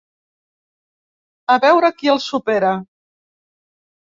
A veure qui el supera.